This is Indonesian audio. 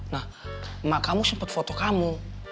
nah emak kamu sempet foto kamu